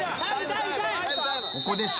ここで笑